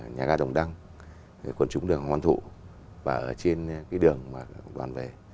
nhà gà đồng đăng quần chúng đường hoàng hoan thụ và ở trên cái đường đoàn về